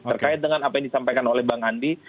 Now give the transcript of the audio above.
terkait dengan apa yang disampaikan oleh bang andi